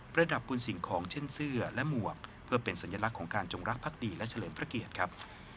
ระดับบุญสิ่งของเช่นเสื้อและหมวกเพื่อเป็นสัญลักษณ์ของการจงรักภักดีและเฉลิมพระเกียรติครับ